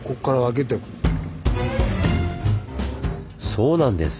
そうなんです。